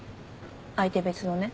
相手別のね。